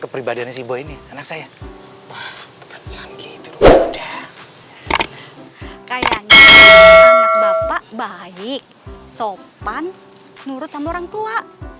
kepribadian si bo ini anak saya percaya anak bapak baik sopan nurut sama orang tua